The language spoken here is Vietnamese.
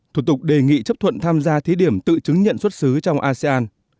thủ tục đề nghị chấp thuận tham gia thí điểm tự chứng nhận xuất xứ trong asean